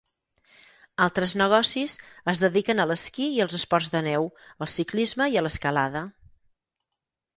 Altres negocis es dediquen a l'esquí i els esports de neu, al ciclisme i a l'escalada.